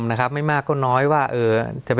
สวัสดีครับทุกผู้ชม